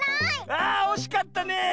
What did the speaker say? あおしかったね！